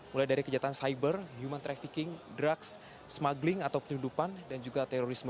mulai dari kejahatan cyber human trafficking drugs smuggling atau penyelundupan dan juga terorisme